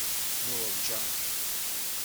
Nurǧa.